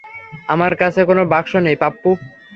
আমার কাছে কোনো বাক্স নেই, পাপ্পু।